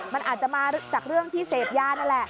มันอาจจะมาจากเรื่องที่เสพยานั่นแหละ